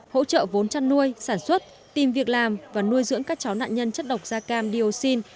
hỗ trợ vốn chăn nuôi sản xuất tìm việc làm và nuôi dưỡng các cháu nạn nhân chất độc da cam dioxin